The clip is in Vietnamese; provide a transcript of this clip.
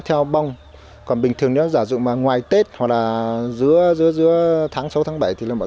theo bông còn bình thường nữa giả dụ mà ngoài tết hoặc là giữa giữa giữa tháng sáu tháng bảy thì là bọn